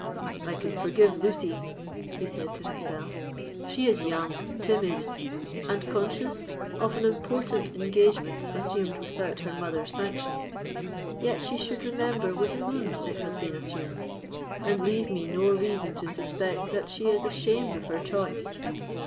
"I can forgive Lucy," he said to himself; "she is young, timid, and conscious of an important engagement assumed without her mother's sanction; yet she should remember with whom it has been assumed, and leave me no reason to suspect that she is ashamed of her choice.